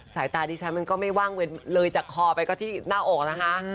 สายตาดิฉันมันก็ไม่ว่างเลยจากคอไปก็ที่หน้าอกนะคะ